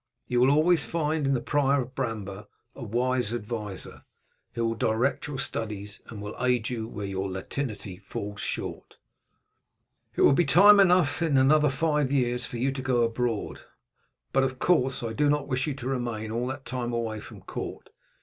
You will always find in the prior of Bramber a wise adviser, who will direct your studies, and will aid you where your Latinity falls short. "It will be time enough in another five years for you to go abroad; but, of course, I do not wish you to remain all that time away from court.